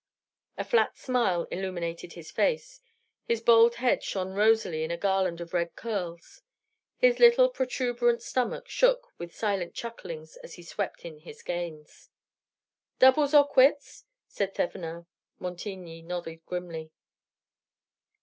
A flat smile illuminated his face; his bald head shone rosily in a garland of red curls; his little protuberant stomach shook with silent chucklings as he swept in his gains. "Doubles or quits?" said Thevenin. Montigny nodded grimly.